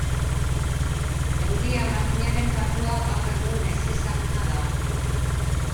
Euria makinaren patua gaur egun ezezaguna da.